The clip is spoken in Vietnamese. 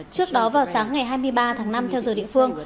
trước đó vào sáng ngày hai mươi ba tháng năm theo giờ địa phương